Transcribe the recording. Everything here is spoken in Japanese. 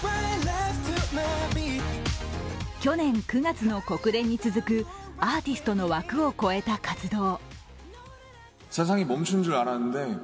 去年９月の国連に続くアーティストの枠を超えた活動。